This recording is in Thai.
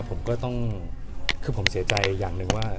ผมก็ต้องคือผมเสียใจอย่างหนึ่งว่า